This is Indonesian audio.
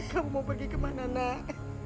kamu mau pergi kemana nak